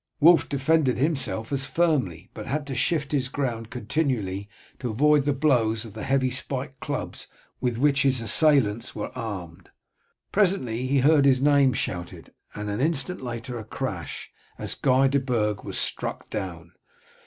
Wulf defended himself as firmly, but had to shift his ground continually to avoid the blows of the heavy spiked clubs with which his assailants were armed. Presently he heard his name shouted, and an instant later a crash, as Guy de Burg was struck down.